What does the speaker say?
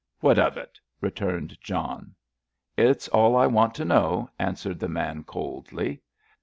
"What of it?" returned John. "It's all I want to know," answered the man, coldly.